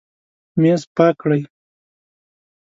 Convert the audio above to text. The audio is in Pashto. میز پاک کړئ